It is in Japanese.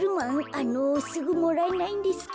あのすぐもらえないんですか？